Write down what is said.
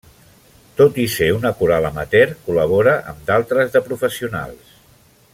Tot i ser una coral amateur, col·labora amb d'altres de professionals.